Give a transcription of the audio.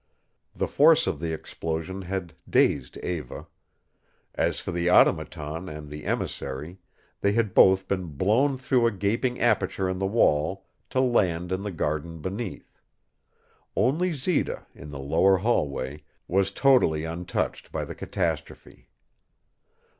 The force of the explosion had dazed Eva. As for the Automaton and the emissary, they had both been blown through a gaping aperture in the wall to land in the garden beneath. Only Zita, in the lower hallway, was totally untouched by the catastrophe.